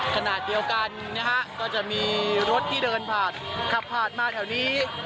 ขนาดเดียวกันก็จะมีรถที่เดินขับขาดมาแถวนี้